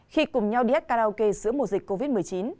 khi cùng nhau đi hát karaoke giữa mùa dịch covid một mươi chín